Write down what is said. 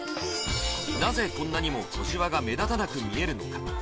なぜこんなにも小じわが目立たなく見えるのか？